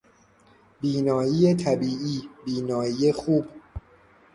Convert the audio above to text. بینایی طبیعی، بینایی خوب